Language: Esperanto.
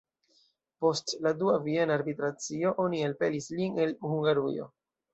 Post la dua Viena arbitracio oni elpelis lin el Hungarujo.